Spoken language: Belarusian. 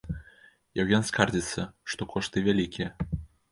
Яўген скардзіцца, што кошты вялікія.